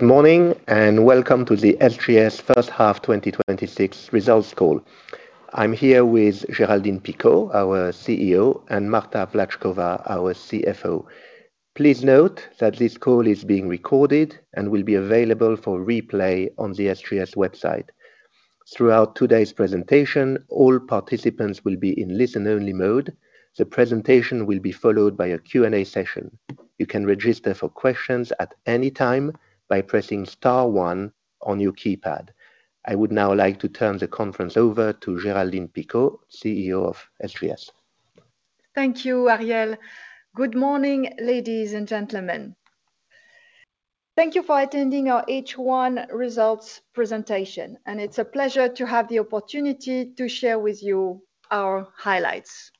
Good morning, welcome to the SGS first half 2026 results call. I'm here with Géraldine Picaud, our CEO, and Marta Vlatchkova, our CFO. Please note that this call is being recorded will be available for replay on the SGS website. Throughout today's presentation, all participants will be in listen-only mode. The presentation will be followed by a Q&A session. You can register for questions at any time by pressing star one on your keypad. I would now like to turn the conference over to Géraldine Picaud, CEO of SGS. Thank you, Ariel. Good morning, ladies and gentlemen. Thank you for attending our H1 results presentation, it's a pleasure to have the opportunity to share with you our highlights.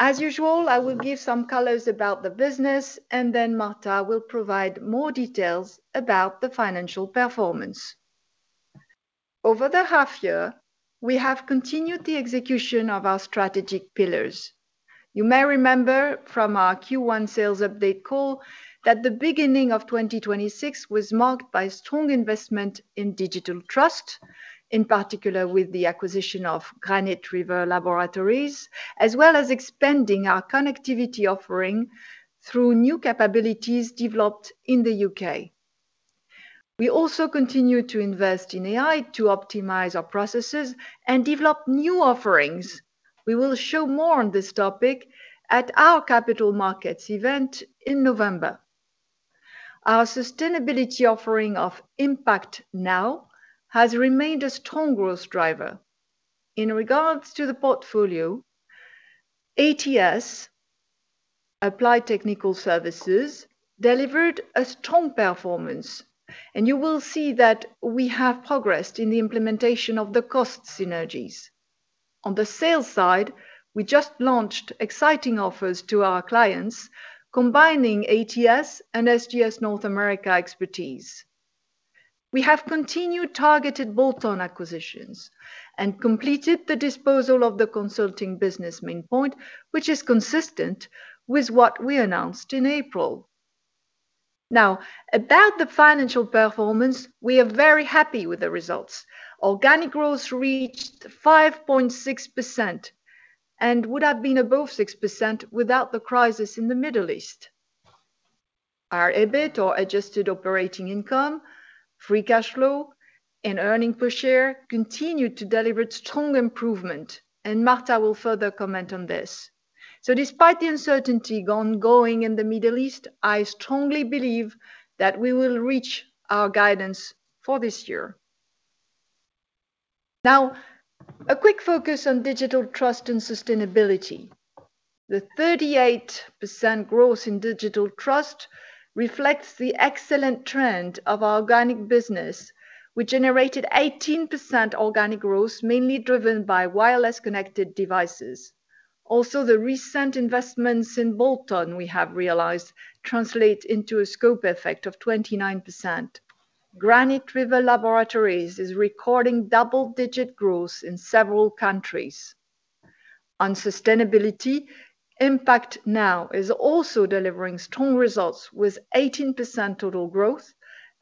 As usual, I will give some colors about the business, Marta will provide more details about the financial performance. Over the half year, we have continued the execution of our strategic pillars. You may remember from our Q1 sales update call that the beginning of 2026 was marked by strong investment in Digital Trust, in particular with the acquisition of Granite River Laboratories, as well as expanding our connectivity offering through new capabilities developed in the U.K. We also continue to invest in AI to optimize our processes and develop new offerings. We will show more on this topic at our capital markets event in November. Our sustainability offering of IMPACT NOW has remained a strong growth driver. In regards to the portfolio, ATS, Applied Technical Services, delivered a strong performance, you will see that we have progressed in the implementation of the cost synergies. On the sales side, we just launched exciting offers to our clients combining ATS and SGS North America expertise. We have continued targeted bolt-on acquisitions and completed the disposal of the consulting business Maine Pointe, which is consistent with what we announced in April. Now, about the financial performance, we are very happy with the results. Organic growth reached 5.6% would have been above 6% without the crisis in the Middle East. Our EBIT, or adjusted operating income, free cash flow, and earnings per share continued to deliver strong improvement, Marta will further comment on this. Despite the uncertainty ongoing in the Middle East, I strongly believe that we will reach our guidance for this year. Now, a quick focus on Digital Trust and sustainability. The 38% growth in Digital Trust reflects the excellent trend of our organic business. We generated 18% organic growth, mainly driven by wireless connected devices. The recent investments in bolt-on we have realized translate into a scope effect of 29%. Granite River Laboratories is recording double-digit growth in several countries. On sustainability, IMPACT NOW is also delivering strong results with 18% total growth,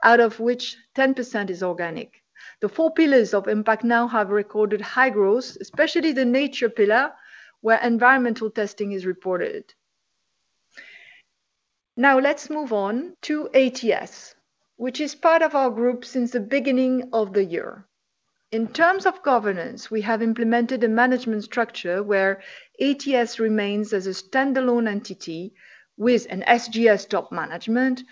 out of which 10% is organic. The four pillars of IMPACT NOW have recorded high growth, especially the nature pillar, where environmental testing is reported. Now let's move on to ATS, which is part of our group since the beginning of the year. In terms of governance, we have implemented a management structure where ATS remains as a standalone entity with an SGS top management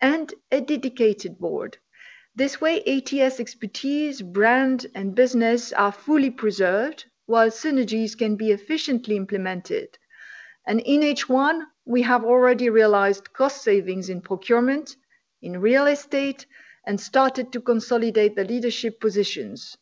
and a dedicated board. This way, ATS expertise, brand, and business are fully preserved while synergies can be efficiently implemented. In H1, we have already realized cost savings in procurement, in real estate, and started to consolidate the leadership positions.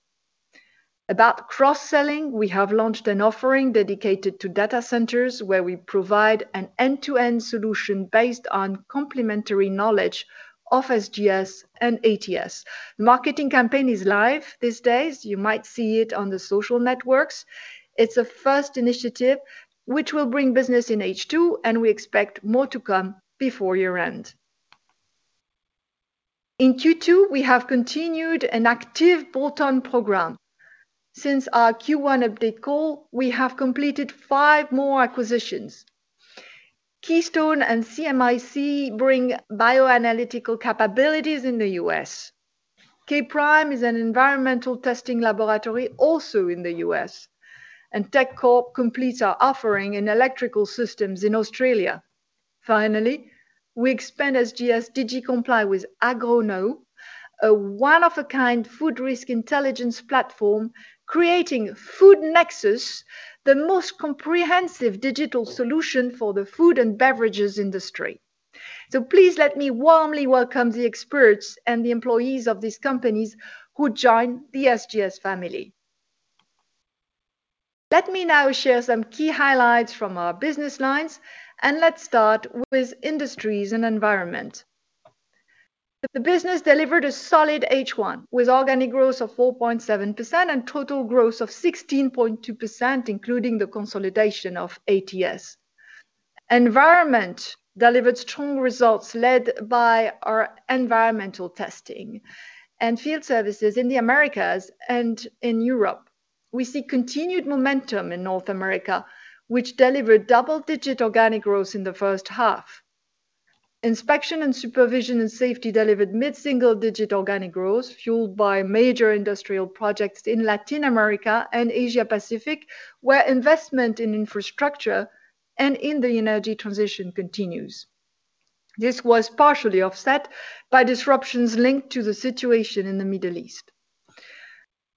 About cross-selling, we have launched an offering dedicated to data centers where we provide an end-to-end solution based on complementary knowledge of SGS and ATS. Marketing campaign is live these days. You might see it on the social networks. It's a first initiative which will bring business in H2, and we expect more to come before year-end. In Q2, we have continued an active bolt-on program. Since our Q1 update call, we have completed five more acquisitions. Keystone and CMIC bring bioanalytical capabilities in the U.S. K Prime is an environmental testing laboratory also in the U.S. TechCorp completes our offering in electrical systems in Australia. Finally, we expand SGS Digicomply with AgroKnow, a one-of-a-kind food risk intelligence platform creating FoodNexus, the most comprehensive digital solution for the food and beverages industry. Please let me warmly welcome the experts and the employees of these companies who join the SGS family. Let me now share some key highlights from our business lines, and let's start with Industries & Environment. The business delivered a solid H1 with organic growth of 4.7% and total growth of 16.2%, including the consolidation of ATS. Environment delivered strong results led by our environmental testing and field services in the Americas and in Europe. We see continued momentum in North America, which delivered double-digit organic growth in the first half. Inspection and supervision and safety delivered mid-single-digit organic growth, fueled by major industrial projects in Latin America and Asia Pacific, where investment in infrastructure and in the energy transition continues. This was partially offset by disruptions linked to the situation in the Middle East.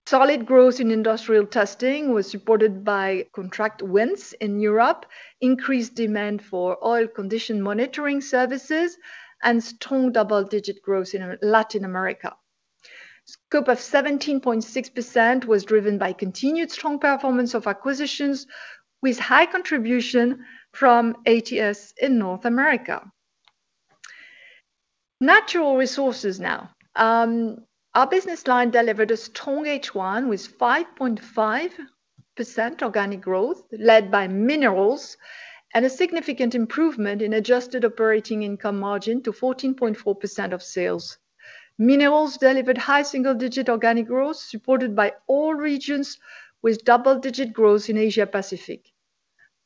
Solid growth in industrial testing was supported by contract wins in Europe, increased demand for oil condition monitoring services, and strong double-digit growth in Latin America. Scope of 17.6% was driven by continued strong performance of acquisitions, with high contribution from ATS in North America. Natural Resources now. Our business line delivered a strong H1 with 5.5% organic growth led by minerals and a significant improvement in adjusted operating income margin to 14.4% of sales. Minerals delivered high single-digit organic growth, supported by all regions with double-digit growth in Asia Pacific.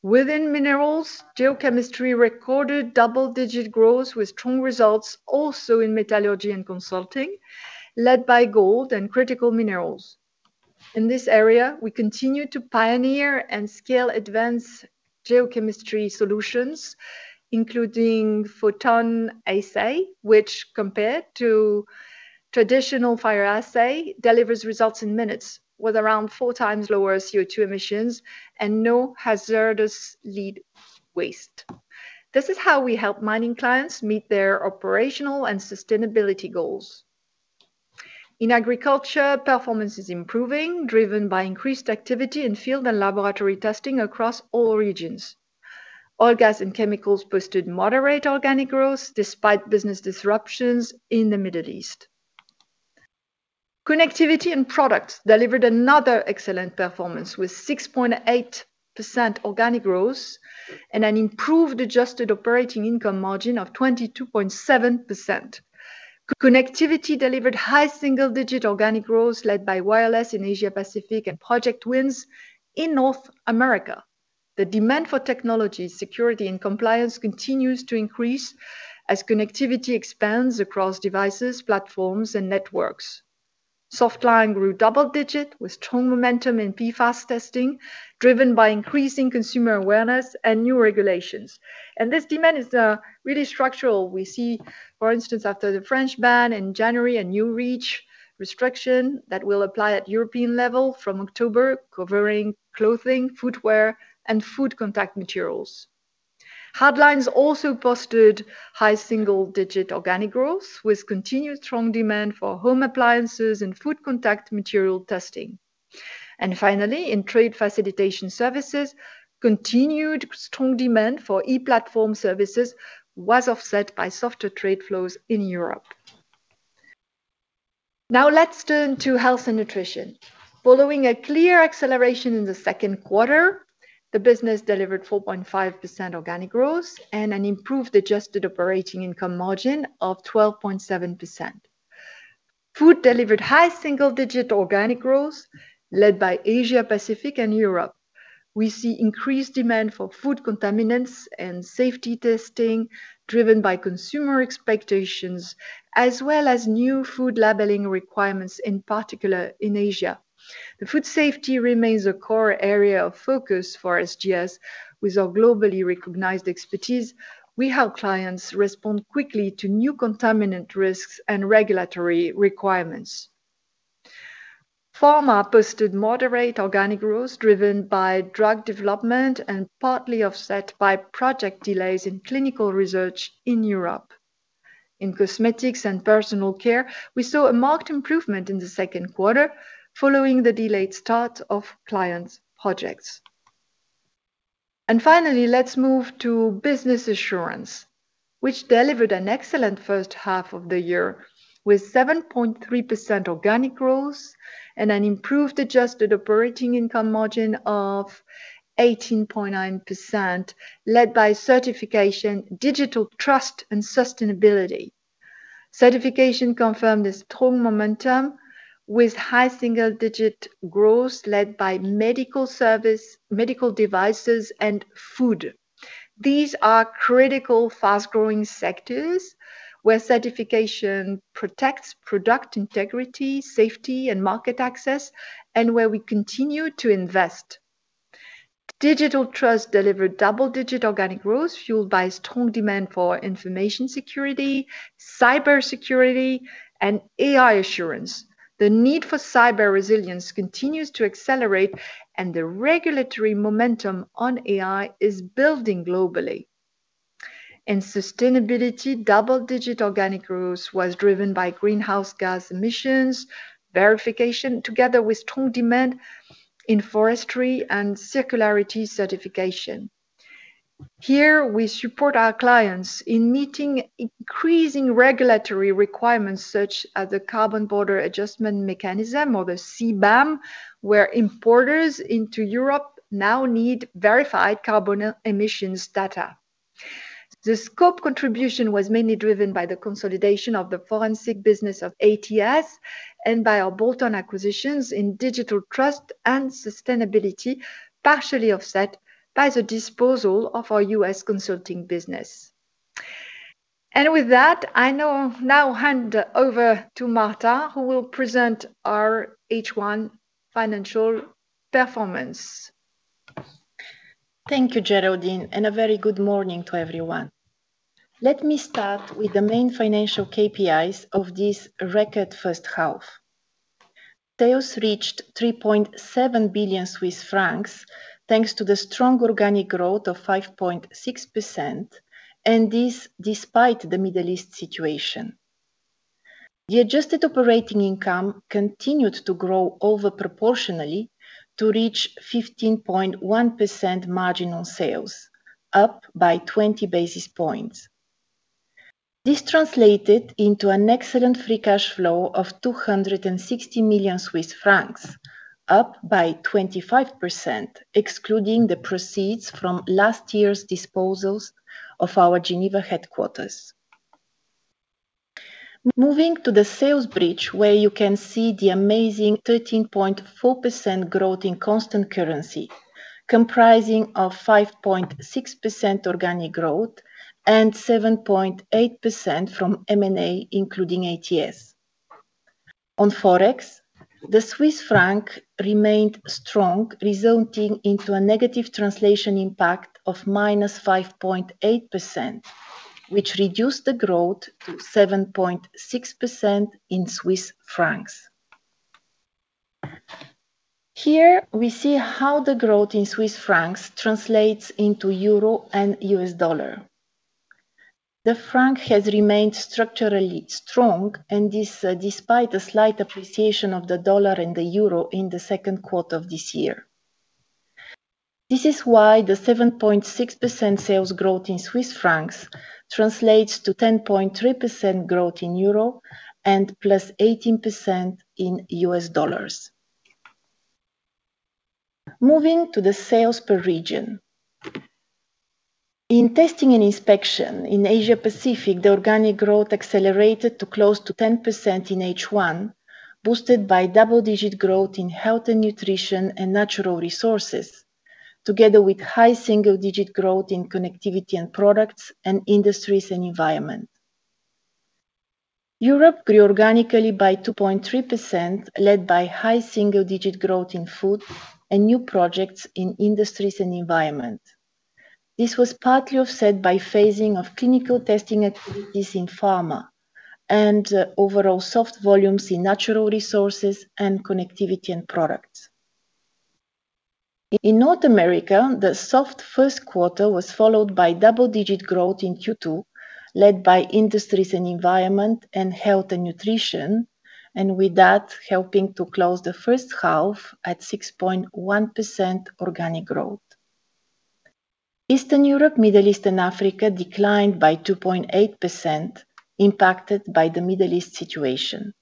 Within minerals, geochemistry recorded double-digit growth with strong results also in metallurgy and consulting, led by gold and critical minerals. In this area, we continue to pioneer and scale advanced geochemistry solutions, including PhotonAssay, which, compared to traditional fire assay, delivers results in minutes with around four times lower CO2 emissions and no hazardous lead waste. This is how we help mining clients meet their operational and sustainability goals. In agriculture, performance is improving, driven by increased activity in field and laboratory testing across all regions. Oil, gas, and chemicals posted moderate organic growth despite business disruptions in the Middle East. Connectivity & Products delivered another excellent performance with 6.8% organic growth and an improved adjusted operating income margin of 22.7%. Connectivity delivered high single-digit organic growth led by wireless in Asia Pacific and project wins in North America. The demand for technology, security, and compliance continues to increase as connectivity expands across devices, platforms, and networks. Softline grew double-digit with strong momentum in PFAS testing, driven by increasing consumer awareness and new regulations. This demand is really structural. We see, for instance, after the French ban in January, a new REACH restriction that will apply at European level from October, covering clothing, footwear, and food contact materials. Hardlines also posted high single-digit organic growth with continued strong demand for home appliances and food contact material testing. Finally, in Trade Facilitation Services, continued strong demand for e-platform services was offset by softer trade flows in Europe. Let's turn to Health & Nutrition. Following a clear acceleration in the second quarter, the business delivered 4.5% organic growth and an improved adjusted operating income margin of 12.7%. Food delivered high single-digit organic growth led by Asia Pacific and Europe. We see increased demand for food contaminants and safety testing driven by consumer expectations as well as new food labeling requirements, in particular in Asia. Food safety remains a core area of focus for SGS. With our globally recognized expertise, we help clients respond quickly to new contaminant risks and regulatory requirements. Pharma posted moderate organic growth driven by drug development and partly offset by project delays in clinical research in Europe. In Cosmetics and Personal Care, we saw a marked improvement in the second quarter following the delayed start of clients' projects. Finally, let's move to Business Assurance, which delivered an excellent first half of the year with 7.3% organic growth and an improved adjusted operating income margin of 18.9%, led by Certification, Digital Trust, and Sustainability. Certification confirmed the strong momentum with high single-digit growth led by medical service, medical devices, and food. These are critical, fast-growing sectors where certification protects product integrity, safety, and market access, and where we continue to invest. Digital Trust delivered double-digit organic growth fueled by strong demand for information security, cybersecurity, and AI assurance. The need for cyber resilience continues to accelerate, the regulatory momentum on AI is building globally. Sustainability, double-digit organic growth was driven by greenhouse gas emissions verification, together with strong demand in forestry and circularity certification. Here, we support our clients in meeting increasing regulatory requirements such as the Carbon Border Adjustment Mechanism, or the CBAM, where importers into Europe now need verified carbon emissions data. The scope contribution was mainly driven by the consolidation of the forensic business of ATS and by our bolt-on acquisitions in Digital Trust and Sustainability, partially offset by the disposal of our U.S. consulting business. With that, I now hand over to Marta, who will present our H1 financial performance. Thank you, Géraldine, a very good morning to everyone. Let me start with the main financial KPIs of this record first half. Sales reached 3.7 billion Swiss francs thanks to the strong organic growth of 5.6%, despite the Middle East situation. The adjusted operating income continued to grow over proportionally to reach 15.1% margin on sales, up by 20 basis points. This translated into an excellent free cash flow of 260 million Swiss francs, up by 25%, excluding the proceeds from last year's disposals of our Geneva headquarters. Moving to the sales bridge, where you can see the amazing 13.4% growth in constant currency, comprising of 5.6% organic growth and 7.8% from M&A, including ATS. On Forex, the Swiss franc remained strong, resulting into a negative translation impact of -5.8%, which reduced the growth to 7.6% in CHF. Here we see how the growth in Swiss francs translates into euro and U.S. dollar. The franc has remained structurally strong, despite a slight appreciation of the dollar and the euro in the second quarter of this year. This is why the 7.6% sales growth in Swiss francs translates to 10.3% growth in euro and +18% in U.S. dollars. Moving to the sales per region. In testing and inspection in Asia Pacific, the organic growth accelerated to close to 10% in H1, boosted by double-digit growth in Health & Nutrition and Natural Resources, together with high single-digit growth in Connectivity & Products and Industries & Environment. Europe grew organically by 2.3%, led by high single-digit growth in Food and new projects in Industries & Environment. This was partly offset by phasing of clinical testing activities in pharma and overall soft volumes in Natural Resources and Connectivity & Products. In North America, the soft first quarter was followed by double-digit growth in Q2, led by Industries & Environment and Health & Nutrition, with that, helping to close the first half at 6.1% organic growth. Eastern Europe, Middle East, and Africa declined by 2.8%, impacted by the Middle East situation.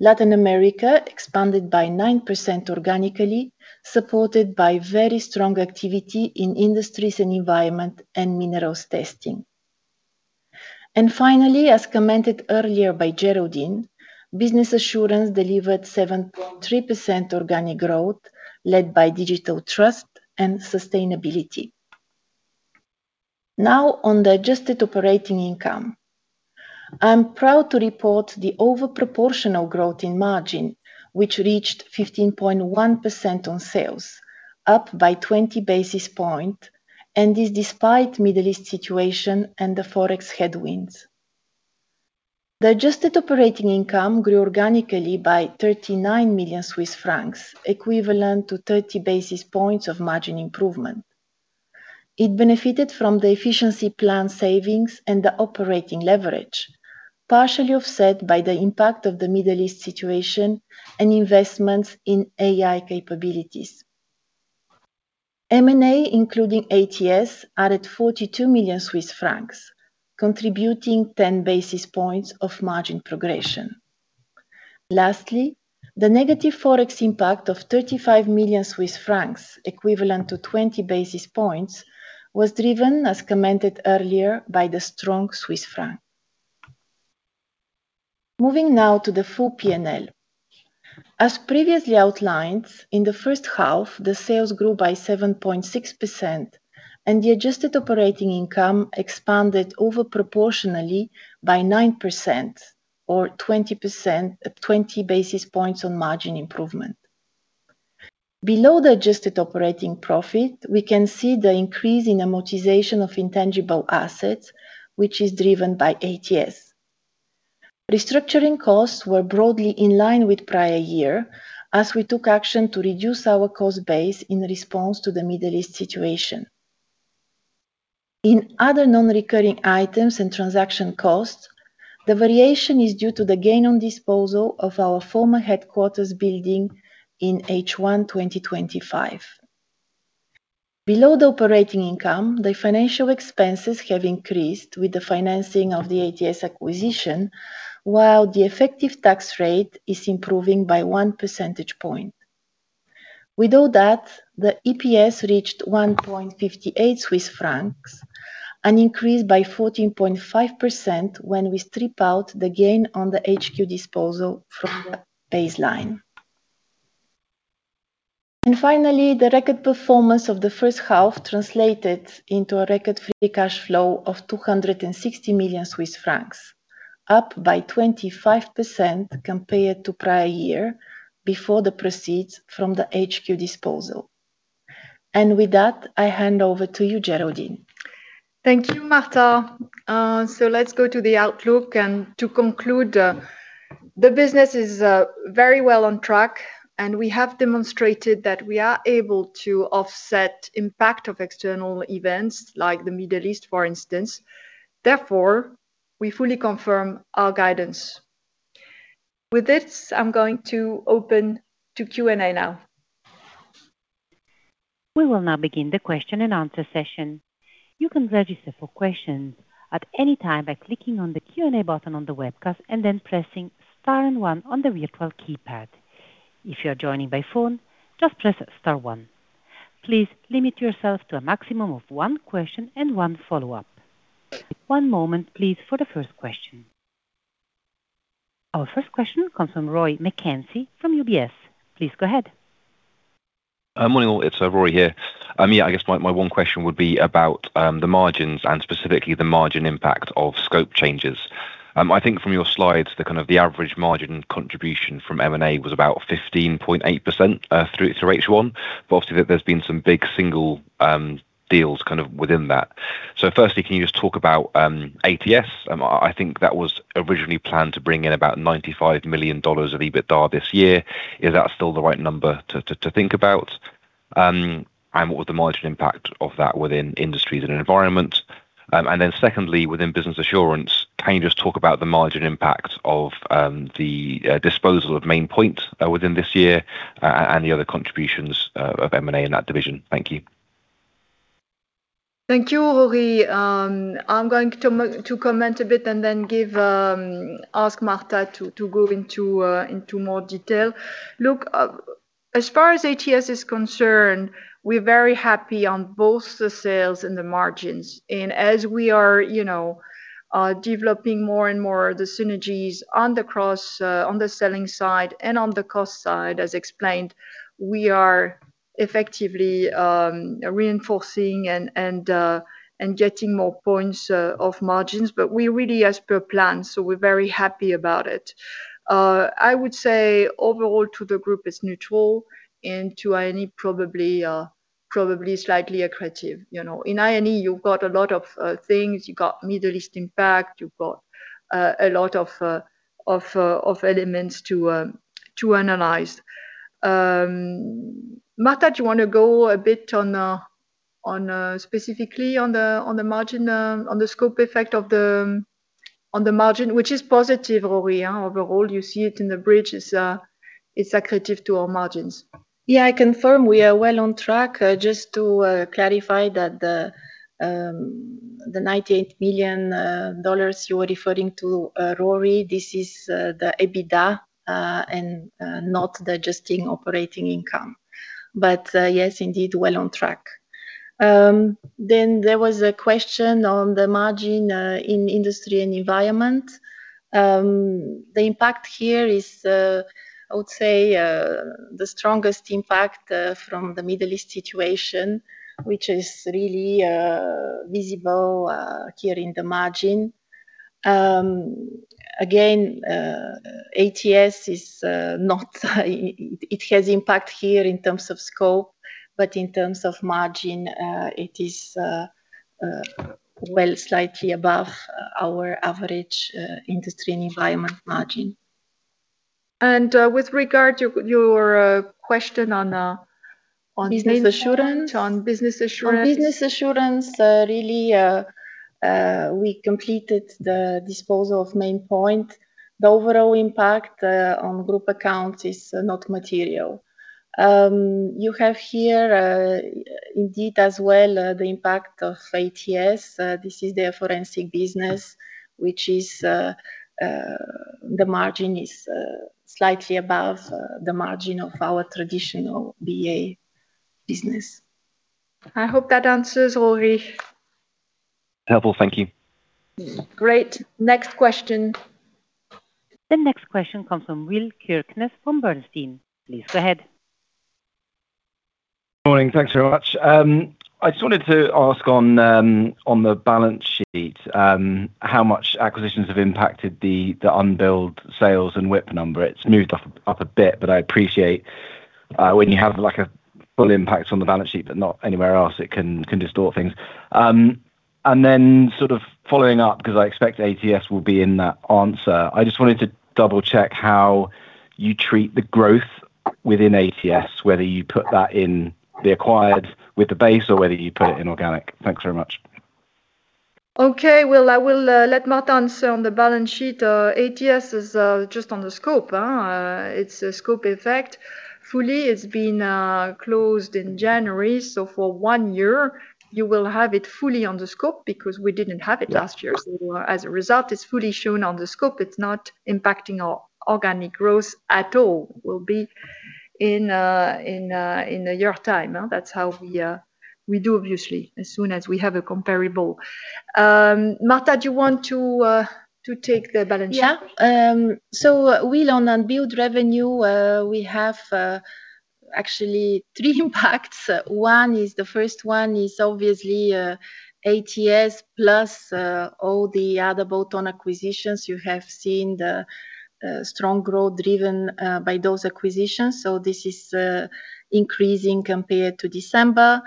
Latin America expanded by 9% organically, supported by very strong activity in Industries & Environment and Minerals testing. Finally, as commented earlier by Géraldine, Business Assurance delivered 7.3% organic growth led by Digital Trust and sustainability. Now on the adjusted operating income. I'm proud to report the over proportional growth in margin, which reached 15.1% on sales, up by 20 basis points, despite Middle East situation and the Forex headwinds. The adjusted operating income grew organically by 39 million Swiss francs, equivalent to 30 basis points of margin improvement. It benefited from the efficiency plan savings and the operating leverage, partially offset by the impact of the Middle East situation and investments in AI capabilities. M&A, including ATS, added 42 million Swiss francs, contributing 10 basis points of margin progression. Lastly, the negative Forex impact of 35 million Swiss francs, equivalent to 20 basis points, was driven, as commented earlier, by the strong Swiss franc. Moving now to the full P&L. As previously outlined, in the first half, the sales grew by 7.6%, the adjusted operating income expanded over proportionally by 9% or 20 basis points on margin improvement. Below the adjusted operating profit, we can see the increase in amortization of intangible assets, which is driven by ATS. Restructuring costs were broadly in line with prior year, as we took action to reduce our cost base in response to the Middle East situation. In other non-recurring items and transaction costs, the variation is due to the gain on disposal of our former headquarters building in H1 2025. Below the operating income, the financial expenses have increased with the financing of the ATS acquisition, while the effective tax rate is improving by 1 percentage point. With all that, the EPS reached 1.58 Swiss francs, an increase by 14.5% when we strip out the gain on the HQ disposal from the baseline. Finally, the record performance of the first half translated into a record free cash flow of 260 million Swiss francs, up by 25% compared to prior year before the proceeds from the HQ disposal. With that, I hand over to you, Géraldine. Thank you, Marta. Let's go to the outlook. To conclude, the business is very well on track, and we have demonstrated that we are able to offset impact of external events like the Middle East, for instance. Therefore, we fully confirm our guidance. With this, I'm going to open to Q&A now. We will now begin the question and answer session. You can register for questions at any time by clicking on the Q&A button on the webcast and then pressing star and one on the virtual keypad. If you are joining by phone, just press star one. Please limit yourself to a maximum of one question and one follow-up. One moment please for the first question. Our first question comes from Rory McKenzie from UBS. Please go ahead. Morning all. It's Rory here. Yeah, I guess my one question would be about the margins and specifically the margin impact of scope changes. I think from your slides, the average margin contribution from M&A was about 15.8% through to H1, but obviously there's been some big single deals kind of within that. Firstly, can you just talk about ATS? I think that was originally planned to bring in about $95 million of EBITDA this year. Is that still the right number to think about? What was the margin impact of that within Industries & Environment? Secondly, within Business Assurance, can you just talk about the margin impact of the disposal of Maine Pointe within this year, and the other contributions of M&A in that division? Thank you. Thank you, Rory. I'm going to comment a bit and then ask Marta to go into more detail. Look, as far as ATS is concerned, we are very happy on both the sales and the margins. As we are developing more and more the synergies on the selling side and on the cost side, as explained, we are effectively reinforcing and getting more points of margins. We're really as per plan, so we're very happy about it. I would say overall to the group it's neutral, and to I&E probably slightly accretive. In I&E, you've got a lot of things. You've got Middle East impact. You've got a lot of elements to analyze. Marta, do you want to go a bit specifically on the scope effect on the margin, which is positive, Rory, overall. You see it in the bridge. It's accretive to our margins. Yeah, I confirm we are well on track. Just to clarify that the CHF 98 million you are referring to, Rory, this is the EBITDA and not the adjusting operating income. Yes, indeed, well on track. There was a question on the margin in Industry & Environment. The impact here is, I would say, the strongest impact from the Middle East situation, which is really visible here in the margin. Again, ATS, it has impact here in terms of scope, but in terms of margin, it is well slightly above our average Industry & Environment margin. With regard to your question on- Business Assurance. On Business Assurance. On Business Assurance, really, we completed the disposal of Maine Pointe. The overall impact on group accounts is not material. You have here indeed as well the impact of ATS. This is their forensic business, which the margin is slightly above the margin of our traditional BA business. I hope that answers, Rory. Helpful. Thank you. Great. Next question. The next question comes from Will Kirkness from Bernstein. Please go ahead. Morning. Thanks very much. I just wanted to ask on the balance sheet how much acquisitions have impacted the unbilled sales and WIP number. It's moved up a bit, but I appreciate when you have a full impact on the balance sheet but not anywhere else, it can distort things. Then sort of following up, because I expect ATS will be in that answer, I just wanted to double-check how you treat the growth within ATS, whether you put that in the acquired with the base or whether you put it in organic. Thanks very much. Okay, Will. I will let Marta answer on the balance sheet. ATS is just on the scope. It's a scope effect. Fully, it's been closed in January, so for one year, you will have it fully on the scope because we didn't have it last year. As a result, it's fully shown on the scope. It's not impacting our organic growth at all. Will, be in a year time. That's how we do, obviously, as soon as we have a comparable. Marta, do you want to take the balance sheet? We, on unbilled revenue, we have actually three impacts. The first one is obviously ATS plus all the other bolt-on acquisitions. You have seen the strong growth driven by those acquisitions. This is increasing compared to December.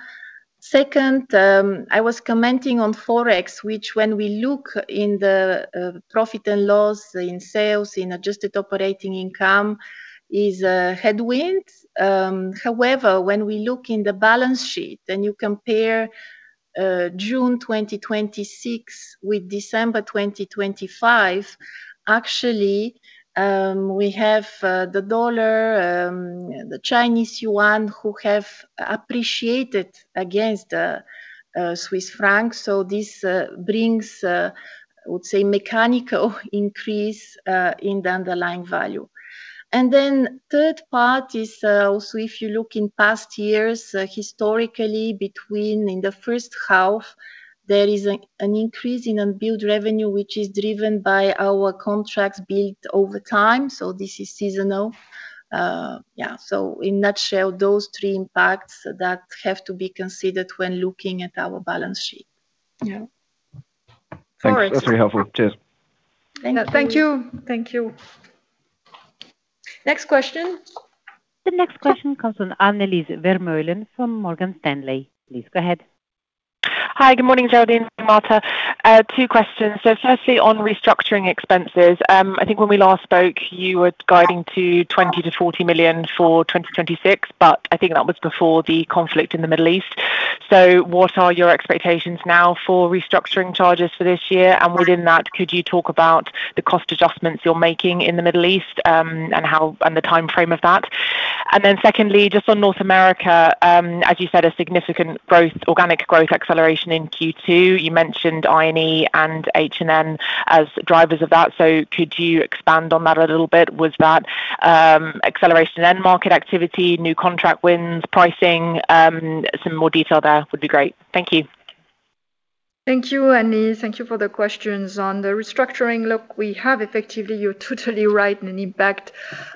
Second, I was commenting on Forex, which when we look in the profit and loss in sales, in adjusted operating income, is a headwind. However, when we look in the balance sheet and you compare June 2026 with December 2025, actually, we have the dollar, the Chinese yuan who have appreciated against Swiss franc. This brings, I would say, mechanical increase in the underlying value. Third part is also, if you look in past years, historically in the first half, there is an increase in unbilled revenue, which is driven by our contracts billed over time. This is seasonal. In a nutshell, those three impacts that have to be considered when looking at our balance sheet. Yeah. All right. Thanks. That's very helpful. Cheers. Thank you. Thank you. Next question. The next question comes from Annelies Vermeulen from Morgan Stanley. Please go ahead. Hi. Good morning, Géraldine and Marta. Two questions. Firstly, on restructuring expenses, I think when we last spoke, you were guiding to 20 million-40 million for 2026, but I think that was before the conflict in the Middle East. What are your expectations now for restructuring charges for this year? Within that, could you talk about the cost adjustments you're making in the Middle East, and the timeframe of that? Secondly, just on North America, as you said, a significant organic growth acceleration in Q2. You mentioned I&E and H&N as drivers of that. Could you expand on that a little bit? Was that acceleration end market activity, new contract wins, pricing? Some more detail there would be great. Thank you. Thank you, Annelies. Thank you for the questions. On the restructuring, look, we have effectively, you're totally right, an impact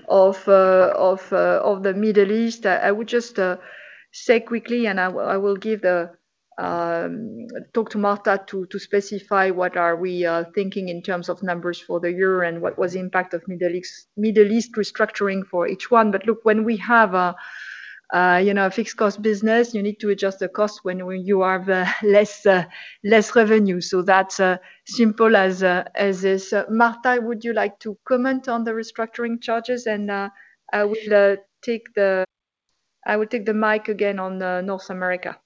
of the Middle East. I would just say quickly, I will talk to Marta to specify what are we thinking in terms of numbers for the year and what was the impact of Middle East restructuring for H1. Look, when we have a fixed cost business, you need to adjust the cost when you have less revenue. That's simple as is. Marta, would you like to comment on the restructuring charges? I will take the mic again on North America.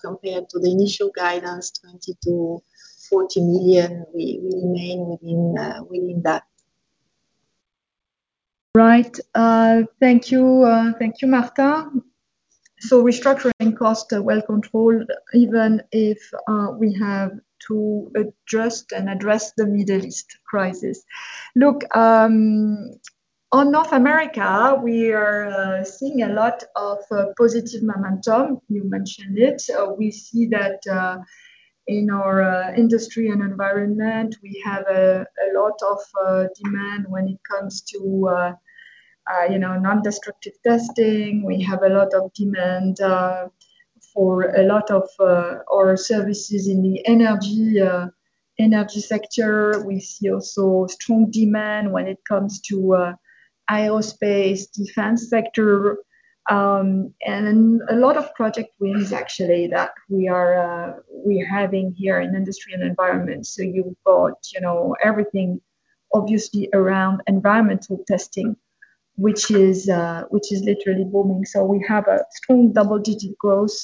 Compared to the initial guidance, 20 million-40 million, we remain within that. Right. Thank you, Marta. Restructuring cost well controlled, even if we have to adjust and address the Middle East crisis. Look, on North America, we are seeing a lot of positive momentum. You mentioned it. We see that in our Industry & Environment, we have a lot of demand when it comes to non-destructive testing. We have a lot of demand for a lot of our services in the energy sector. We see also strong demand when it comes to I&E space, defense sector, and a lot of project wins actually that we are having here in Industry & Environment. You've got everything obviously around environmental testing, which is literally booming. We have a strong double-digit growth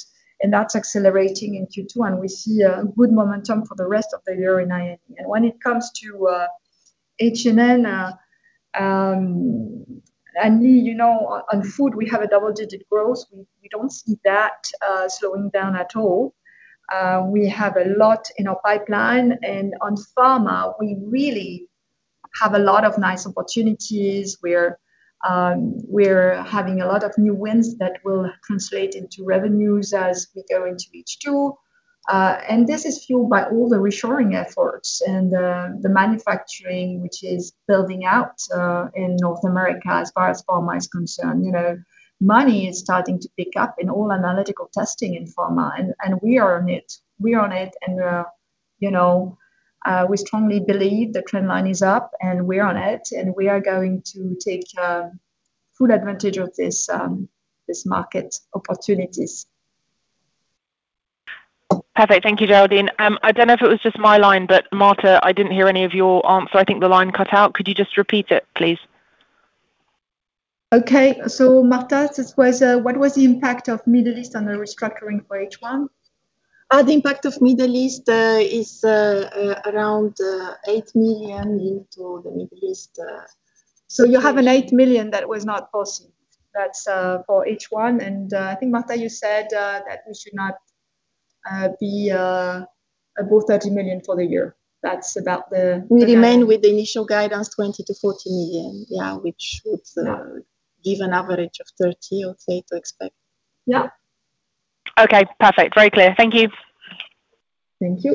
and that's accelerating in Q2, and we see a good momentum for the rest of the year in I&E. When it comes to H&N, Annelies, you know on food, we have a double-digit growth. We don't see that slowing down at all. We have a lot in our pipeline. On pharma, we really have a lot of nice opportunities. We're having a lot of new wins that will translate into revenues as we go into H2. This is fueled by all the reshoring efforts and the manufacturing which is building out in North America as far as pharma is concerned. Money is starting to pick up in all analytical testing in pharma. We are on it. We are on it, we strongly believe the trend line is up. We're on it. We are going to take full advantage of this market opportunities. Perfect. Thank you, Géraldine. I don't know if it was just my line, but Marta, I didn't hear any of your answer. I think the line cut out. Could you just repeat it, please? Marta, what was the impact of Middle East on the restructuring for H1? The impact of Middle East is around 8 million into the Middle East. You have an 8 million that was not foreseen. That's for H1, and I think, Marta, you said that we should not be above 30 million for the year. That's about the. We remain with the initial guidance, 20 million-40 million. Yeah. Which would- Yeah. -give an average of 30 million or so to expect. Yeah. Okay, perfect. Very clear. Thank you. Thank you.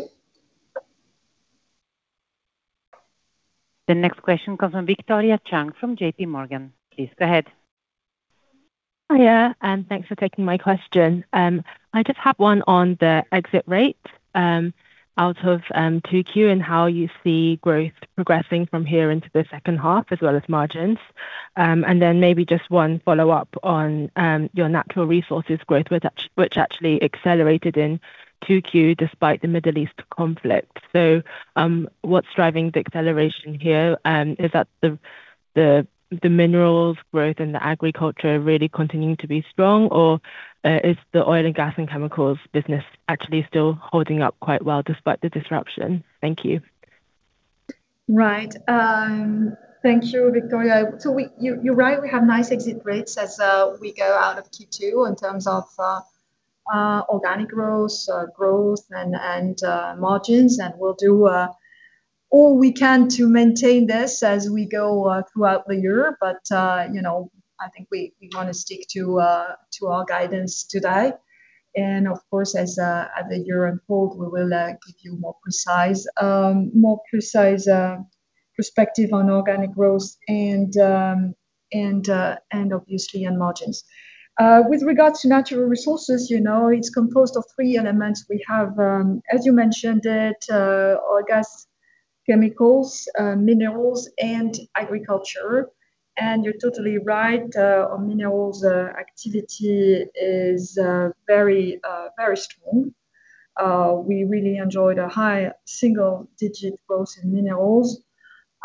The next question comes from Victoria Chang from JPMorgan. Please go ahead. Hi, yeah, thanks for taking my question. I just have one on the exit rate out of 2Q and how you see growth progressing from here into the second half as well as margins. Maybe just one follow-up on your Natural Resources growth, which actually accelerated in 2Q despite the Middle East conflict. What's driving the acceleration here? Is that the minerals growth and the agriculture really continuing to be strong, or is the oil and gas and chemicals business actually still holding up quite well despite the disruption? Thank you. Right. Thank you, Victoria. You're right, we have nice exit rates as we go out of Q2 in terms of organic growth and margins, and we'll do all we can to maintain this as we go throughout the year. I think we want to stick to our guidance today. Of course, as the year unfold, we will give you more precise perspective on organic growth and obviously on margins. With regards to Natural Resources, it's composed of three elements. We have, as you mentioned it, oil, gas, chemicals, minerals, and agriculture, and you're totally right. Our minerals activity is very strong. We really enjoyed a high single-digit growth in minerals.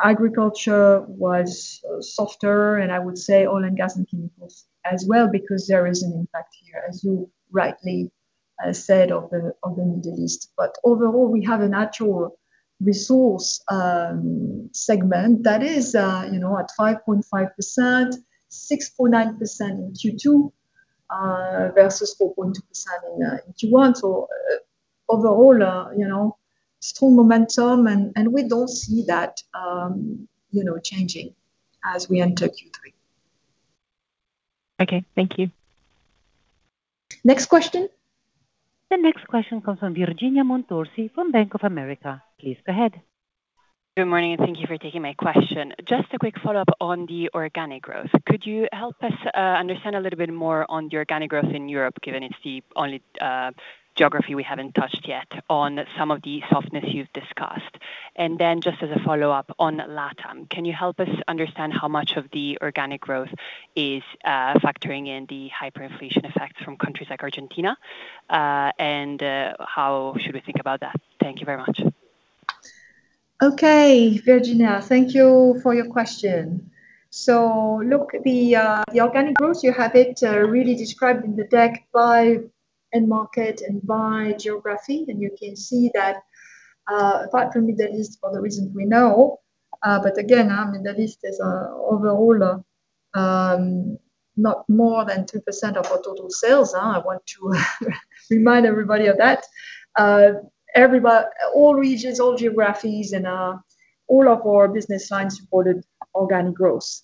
Agriculture was softer, and I would say oil and gas and chemicals as well, because there is an impact here, as you rightly said, of the Middle East. Overall, we have a Natural Resources segment that is at 5.5%, 6.9% in Q2 versus 4.2% in Q1, overall strong momentum and we don't see that changing as we enter Q3. Okay. Thank you. Next question. The next question comes from Virginia Montorsi from Bank of America. Please go ahead. Good morning, thank you for taking my question. Just a quick follow-up on the organic growth. Could you help us understand a little bit more on the organic growth in Europe, given it's the only geography we haven't touched yet on some of the softness you've discussed? Then just as a follow-up on LATAM, can you help us understand how much of the organic growth is factoring in the hyperinflation effects from countries like Argentina? How should we think about that? Thank you very much. Okay, Virginia. Thank you for your question. Look, the organic growth, you have it really described in the deck by end market and by geography. You can see that apart from Middle East for the reason we know, but again, Middle East is overall not more than 2% of our total sales. I want to remind everybody of that. All regions, all geographies, all of our business lines supported organic growth.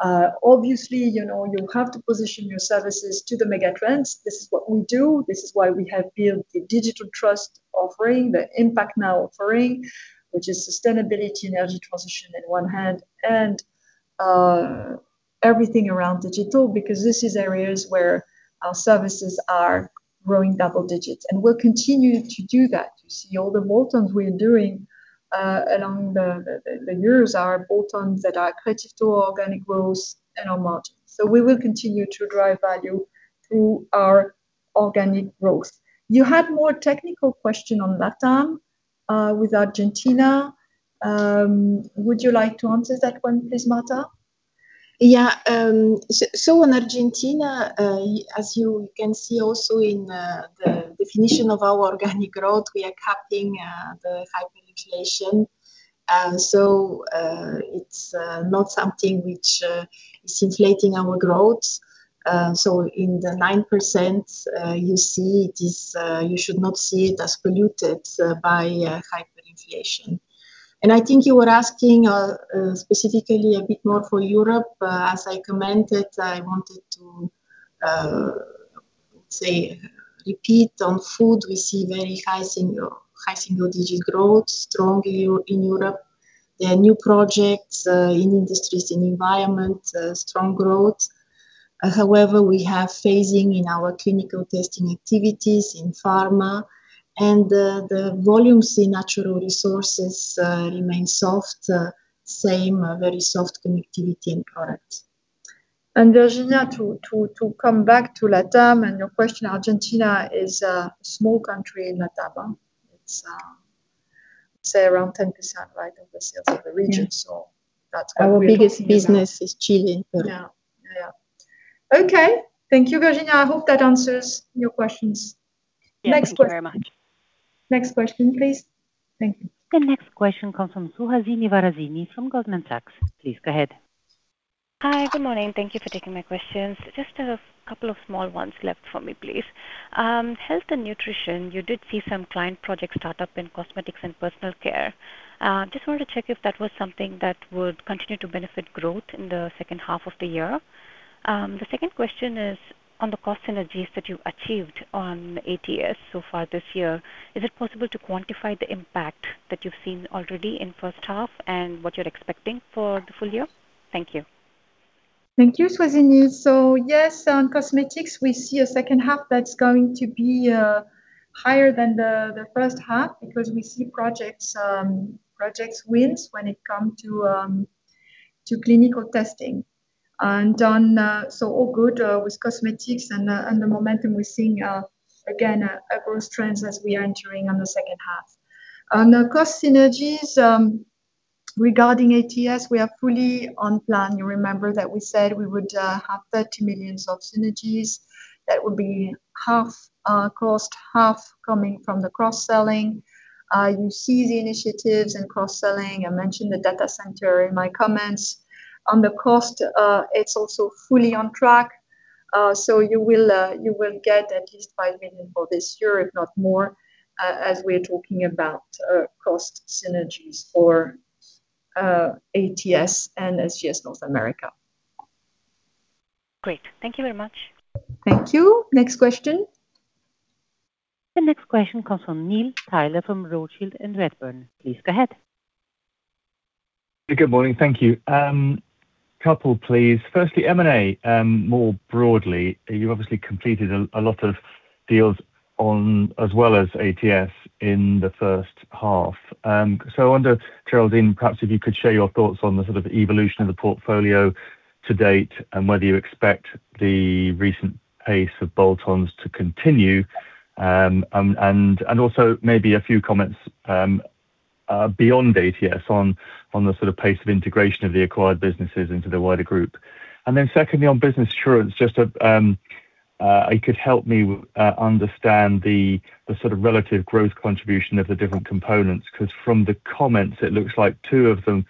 Obviously, you have to position your services to the mega trends. This is what we do. This is why we have built the Digital Trust offering, the IMPACT NOW offering, which is sustainability and energy transition in one hand, and everything around digital, because this is areas where our services are growing double digits. We'll continue to do that. You see all the bolt-ons we're doing along the years are bolt-ons that are accretive to our organic growth and our margins. We will continue to drive value through our organic growth. You had more technical question on LATAM with Argentina. Would you like to answer that one, please, Marta? Yeah. In Argentina, as you can see also in the definition of our organic growth, we are capping the hyperinflation. It's not something which is inflating our growth. In the 9%, you should not see it as polluted by hyperinflation. I think you were asking specifically a bit more for Europe. As I commented, I wanted to repeat on food, we see very high single-digit growth strongly in Europe. There are new projects in Industries & Environment, strong growth. However, we have phasing in our clinical testing activities in pharma, and the volumes in Natural Resources remain soft. Same, very soft Connectivity & Products. Virginia, to come back to LATAM and your question, Argentina is a small country in LATAM. It's around 10%, right, of the sales of the region. That's- Our biggest business is Chile. Yeah. Okay. Thank you, Virginia. I hope that answers your questions. Yeah. Thank you very much. Next question, please. Thank you. The next question comes from Suhasini Varanasi from Goldman Sachs. Please go ahead. Hi. Good morning. Thank you for taking my questions. Just a couple of small ones left for me, please. Health & Nutrition, you did see some client project startup in cosmetics and personal care. Just wanted to check if that was something that would continue to benefit growth in the second half of the year. The second question is on the cost synergies that you've achieved on ATS so far this year. Is it possible to quantify the impact that you've seen already in first half and what you're expecting for the full year? Thank you. Thank you, Suhasini. Yes, on cosmetics, we see a second half that's going to be higher than the first half because we see projects wins when it comes to clinical testing. All good with cosmetics and the momentum we're seeing, again, a growth trend as we are entering on the second half. On the cost synergies, regarding ATS, we are fully on plan. You remember that we said we would have 30 million of synergies that would be half cost, half coming from the cross-selling. You see the initiatives in cross-selling. I mentioned the data center in my comments. On the cost, it's also fully on track. You will get at least 5 million for this year, if not more, as we're talking about cost synergies for ATS and SGS North America. Great. Thank you very much. Thank you. Next question. The next question comes from Neil Tyler from Rothschild & Redburn. Please go ahead. Good morning. Thank you. Couple, please. M&A more broadly, you've obviously completed a lot of deals as well as ATS in the first half. I wonder, Géraldine, perhaps if you could share your thoughts on the sort of evolution of the portfolio to date, and whether you expect the recent pace of bolt-ons to continue. Also maybe a few comments beyond ATS on the sort of pace of integration of the acquired businesses into the wider group. Secondly, on Business Assurance, if you could help me understand the sort of relative growth contribution of the different components. Because from the comments, it looks like two of the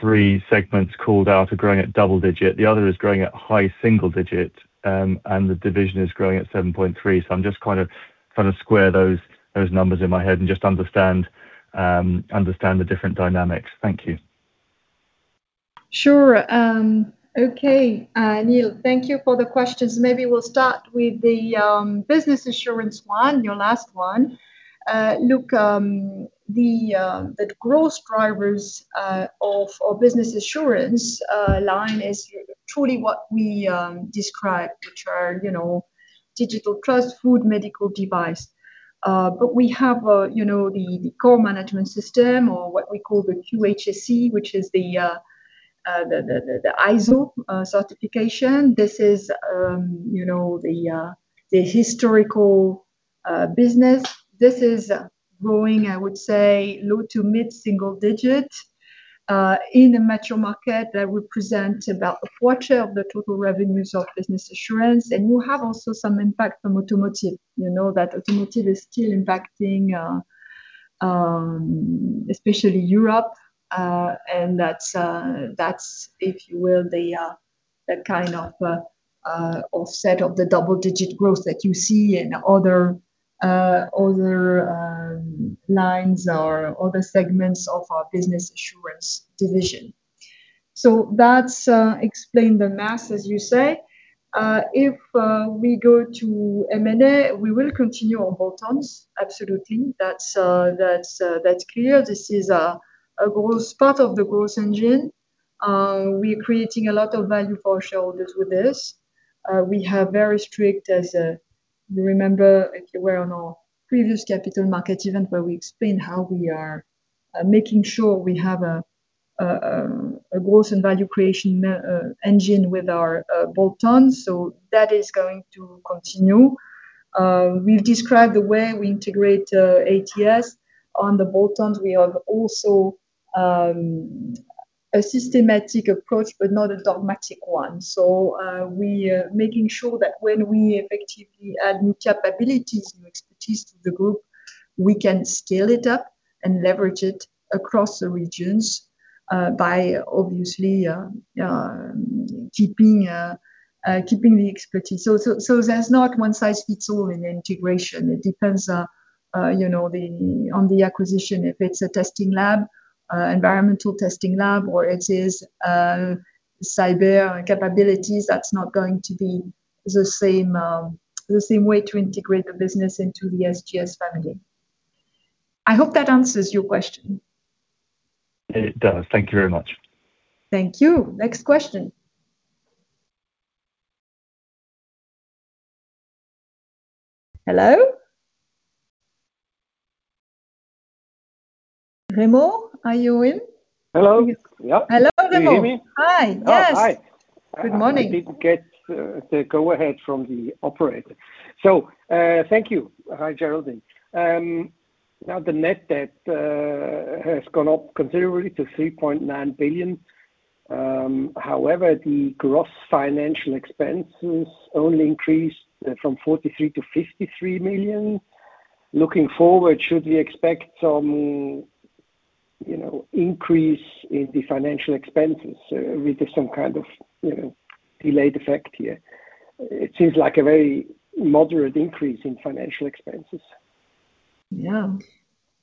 three segments called out are growing at double digit, the other is growing at high single digit, and the division is growing at 7.3%. I'm just trying to square those numbers in my head and just understand the different dynamics. Thank you. Sure. Okay. Neil, thank you for the questions. Maybe we'll start with the Business Assurance one, your last one. Look, the growth drivers of our Business Assurance line is truly what we described, which are Digital Trust, food, medical device. We have the core management system, or what we call the QHSE, which is the ISO certification. This is the historical business. This is growing, I would say, low to mid single digit. In the metro market, that would present about a quarter of the total revenues of Business Assurance. You have also some impact from automotive. You know that automotive is still impacting especially Europe. That's, if you will, the kind of offset of the double-digit growth that you see in other lines or other segments of our Business Assurance division. That explains the maths, as you say. If we go to M&A, we will continue on bolt-ons. Absolutely. That's clear. This is a part of the growth engine. We're creating a lot of value for our shareholders with this. We are very strict, as you remember, if you were on our previous capital market event where we explained how we are making sure we have a growth and value creation engine with our bolt-ons. That is going to continue. We've described the way we integrate ATS on the bolt-ons. We have also a systematic approach, but not a dogmatic one. We are making sure that when we effectively add new capabilities, new expertise to the group, we can scale it up and leverage it across the regions by obviously keeping the expertise. There's not one size fits all in the integration. It depends on the acquisition. If it's a testing lab, environmental testing lab, or it is cyber capabilities, that's not going to be the same way to integrate the business into the SGS family. I hope that answers your question. It does. Thank you very much. Thank you. Next question. Hello? Remo are you in? Hello. Yeah. Hello, Remo. Can you hear me? Hi. Yes. Oh, hi. Good morning. I didn't get the go-ahead from the operator. Thank you. Hi, Géraldine. The net debt has gone up considerably to 3.9 billion. However, the gross financial expenses only increased from 43 million to 53 million. Looking forward, should we expect some increase in the financial expenses with some kind of delayed effect here? It seems like a very moderate increase in financial expenses.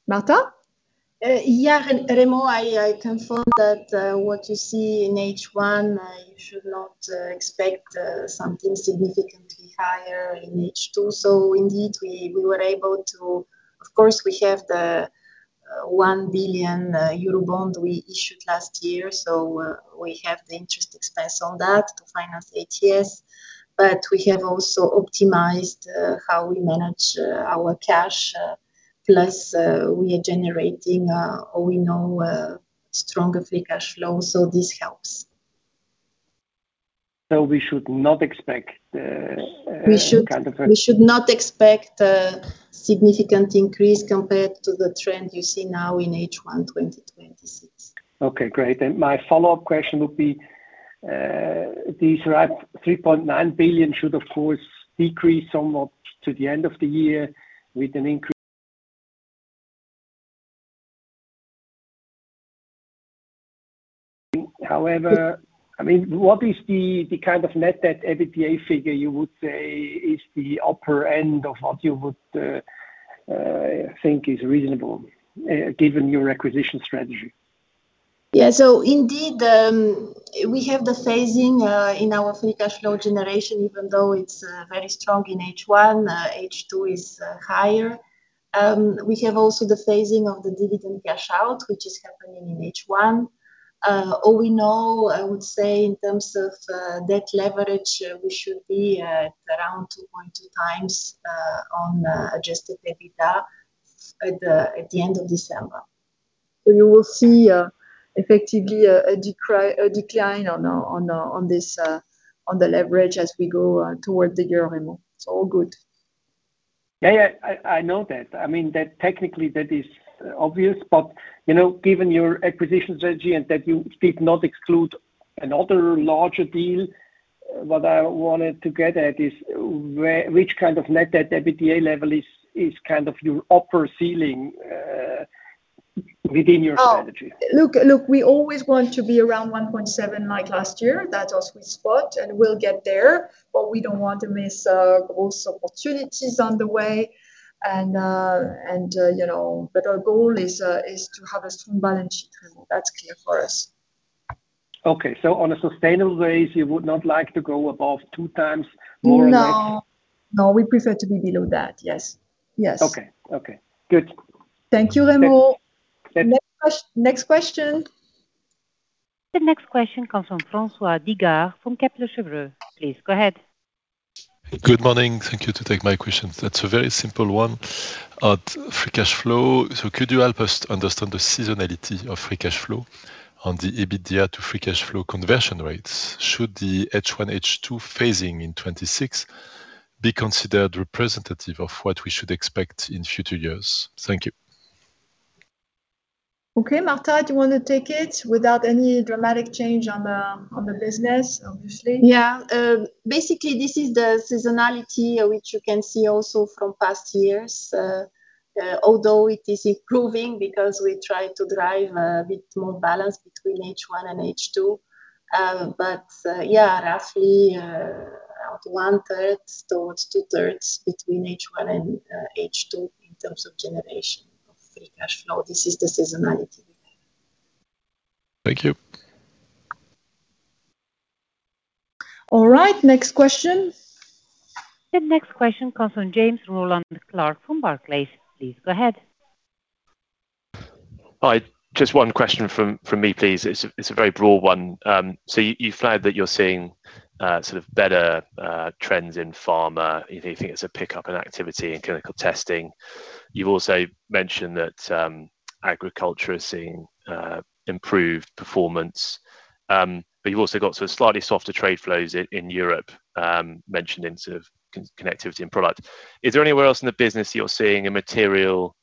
Marta? Remo, I confirm that what you see in H1, you should not expect something significantly higher in H2. Indeed, we were able to, of course, we have the 1 billion euro bond we issued last year, we have the interest expense on that to finance ATS. We have also optimized how we manage our cash, plus we are generating a stronger free cash flow, this helps. We should not expect. We should not expect a significant increase compared to the trend you see now in H1 2026. Okay, great. My follow-up question would be, these 3.9 billion should, of course, decrease somewhat to the end of the year with an increase. However, what is the kind of net debt EBITDA figure you would say is the upper end of what you would think is reasonable given your acquisition strategy? Yeah. Indeed, we have the phasing in our free cash flow generation, even though it's very strong in H1, H2 is higher. We have also the phasing of the dividend cash out, which is happening in H1. All we know, I would say in terms of debt leverage, we should be at around 2.2x on adjusted EBITDA at the end of December. You will see, effectively, a decline on the leverage as we go toward the year-end, Remo. It's all good. I know that. Technically, that is obvious. Given your acquisition strategy and that you did not exclude another larger deal, what I wanted to get at is which kind of net debt EBITDA level is kind of your upper ceiling within your strategy? Look, we always want to be around 1.7x like last year. That's our sweet spot, and we'll get there, but we don't want to miss growth opportunities on the way. Our goal is to have a strong balance sheet, Remo. That's clear for us. Okay. On a sustainable base, you would not like to go above 2x? No. We prefer to be below that. Yes. Okay. Good. Thank you, Remo. Next question. The next question comes from François Digard from Kepler Cheuvreux. Please go ahead. Good morning. Thank you to take my questions. That's a very simple one. On free cash flow. Could you help us understand the seasonality of free cash flow on the EBITDA to free cash flow conversion rates? Should the H1, H2 phasing in 2026 be considered representative of what we should expect in future years? Thank you. Okay, Marta, do you want to take it? Without any dramatic change on the business, obviously. Yeah. Basically, this is the seasonality which you can see also from past years. Although it is improving because we try to drive a bit more balance between H1 and H2. Yeah, roughly around 1/3 towards 2/3 between H1 and H2 in terms of generation of free cash flow. This is the seasonality. Thank you. All right. Next question. The next question comes from James Rowland Clark from Barclays. Please go ahead. Hi, just one question from me, please. It's a very broad one. You flagged that you're seeing sort of better trends in pharma. You think it's a pickup in activity in clinical testing. You've also mentioned that agriculture is seeing improved performance. You've also got sort of slightly softer trade flows in Europe, mentioned in sort of Connectivity & Products. Is there anywhere else in the business you're seeing a material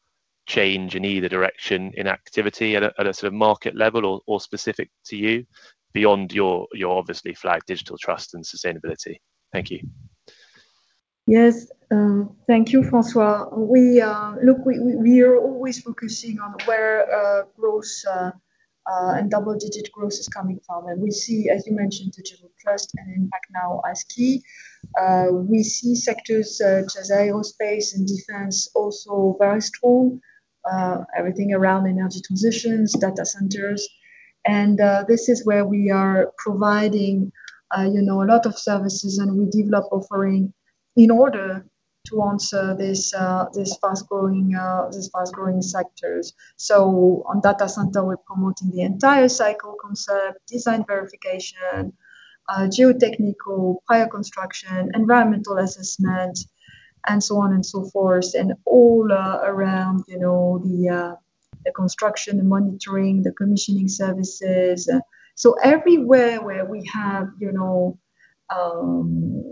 change in either direction in activity at a sort of market level or specific to you beyond your obviously flagged Digital Trust and sustainability? Thank you. Yes. Thank you, François. Look, we are always focusing on where growth and double-digit growth is coming from. We see, as you mentioned, Digital Trust and IMPACT NOW as key. We see sectors such as aerospace and defense also very strong. Everything around energy transitions, data centers. This is where we are providing a lot of services, and we develop offering in order to answer these fast-growing sectors. On data center, we're promoting the entire cycle concept, design verification, geotechnical, fire construction, environmental assessment, and so on and so forth, and all around the construction and monitoring, the commissioning services. Everywhere where we have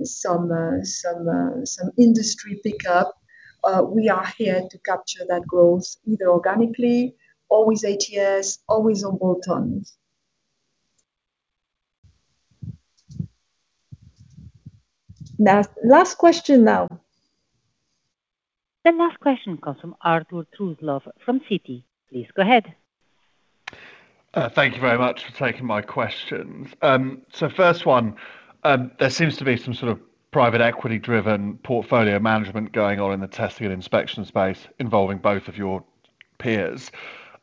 some industry pickup. We are here to capture that growth either organically, always ATS, always on bolt-ons. Last question now. The last question comes from Arthur Truslove from Citi. Please go ahead. Thank you very much for taking my questions. First one, there seems to be some sort of private equity-driven portfolio management going on in the testing and inspection space involving both of your peers.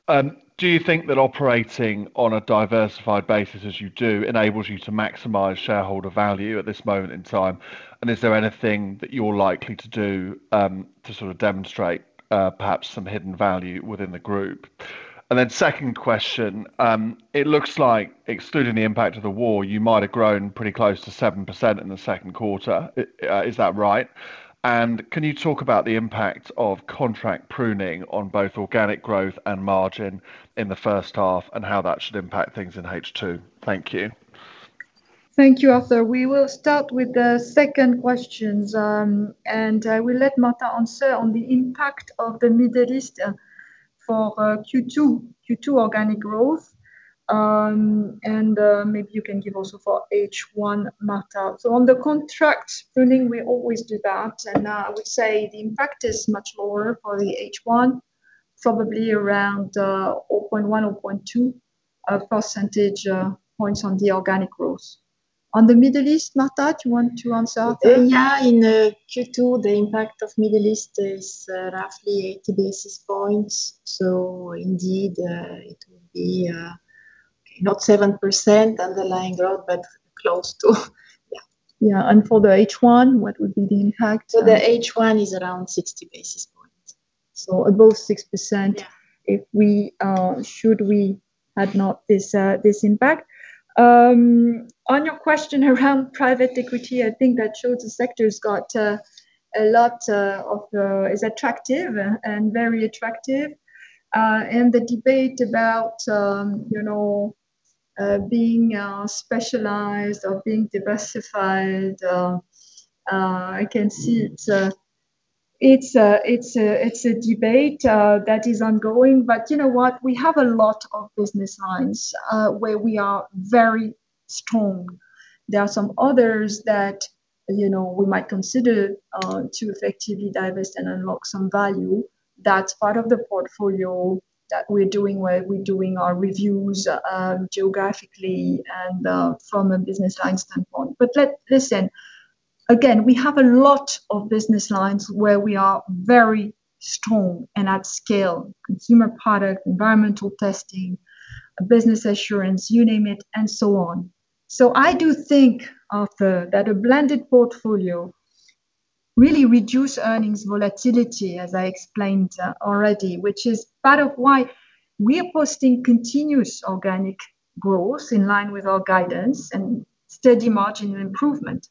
Do you think that operating on a diversified basis as you do enables you to maximize shareholder value at this moment in time? Is there anything that you're likely to do to sort of demonstrate perhaps some hidden value within the group? Second question, it looks like excluding the impact of the war, you might have grown pretty close to 7% in the second quarter. Is that right? Can you talk about the impact of contract pruning on both organic growth and margin in the first half, and how that should impact things in H2? Thank you. Thank you, Arthur. We will start with the second questions, I will let Marta answer on the impact of the Middle East for Q2 organic growth. Maybe you can give also for H1, Marta. On the contract pruning, we always do that, I would say the impact is much lower for the H1, probably around 0.1 percentage points-0.2 percentage points on the organic growth. On the Middle East, Marta, do you want to answer that? Yeah. In Q2, the impact of Middle East is roughly 80 basis points. Indeed, it will be not 7% underlying growth, but close to. Yeah. Yeah. For the H1, what would be the impact? The H1 is around 60 basis points. Above 6%. Yeah. Should we had not this impact. On your question around private equity, I think that shows the sector is attractive, and very attractive. The debate about being specialized or being diversified, I can see it's a debate that is ongoing. You know what? We have a lot of business lines where we are very strong. There are some others that we might consider to effectively divest and unlock some value. That's part of the portfolio that we're doing, where we're doing our reviews geographically and from a business line standpoint. Listen, again, we have a lot of business lines where we are very strong and at scale. Consumer product, environmental testing, Business Assurance, you name it, and so on. I do think, Arthur, that a blended portfolio really reduce earnings volatility, as I explained already, which is part of why we are posting continuous organic growth in line with our guidance and steady margin improvement.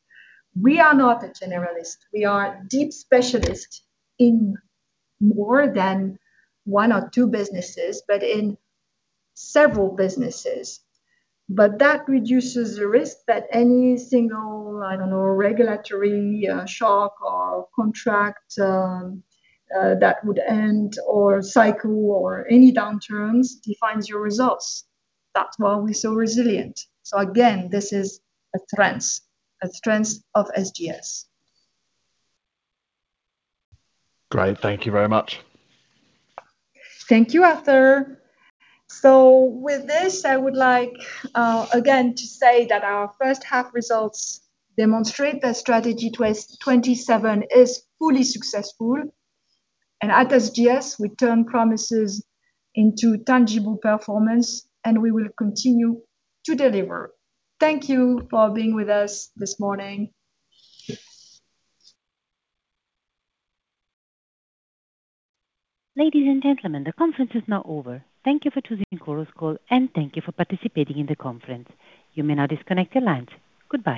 We are not a generalist. We are deep specialists in more than one or two businesses, but in several businesses. That reduces the risk that any single, I don't know, regulatory shock or contract that would end or cycle or any downturns defines your results. That's why we're so resilient. Again, this is a strength of SGS. Great. Thank you very much. Thank you, Arthur. With this, I would like again to say that our first half results demonstrate that Strategy 2027 is fully successful, and at SGS, we turn promises into tangible performance, and we will continue to deliver. Thank you for being with us this morning. Ladies and gentlemen, the conference is now over. Thank you for choosing Chorus Call, and thank you for participating in the conference. You may now disconnect your lines. Goodbye.